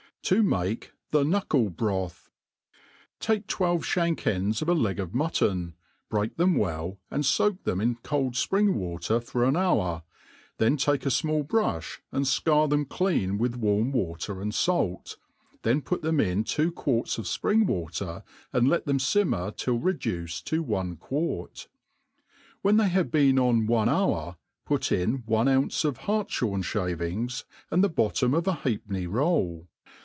' To make tbe Knuckle Broib. * TAKE twelve fhank ends of a leg of mutton, break tbcrn ivell and foke^hem in cold fpring water for an hour, then take a fmall brufli and fcour them clean with warm water and fait, then put them in two quarts of fpring water and let them fimmer till reduced to one quart. When they have been oo bne hour, put in one ounce of hartlhom fliavings and the bottom of a halfpenny roll.